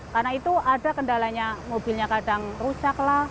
karena itu ada kendalanya mobilnya kadang rusak lah